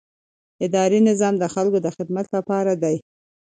اداري نظام د خلکو د خدمت لپاره دی.